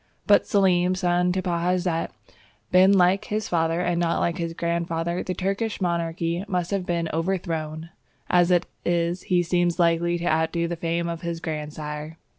But had Selim, son to Bajazet, been like his father, and not like his grandfather, the Turkish monarchy must have been overthrown; as it is, he seems likely to outdo the fame of his grandsire.